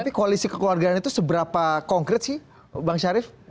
tapi koalisi kekeluargaan itu seberapa konkret sih bang syarif